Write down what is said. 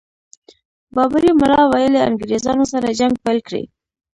بابړي ملا ویلي انګرېزانو سره جنګ پيل کړي.